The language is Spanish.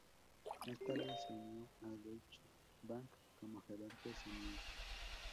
Más tarde se unió a Deutsche Bank como gerente senior.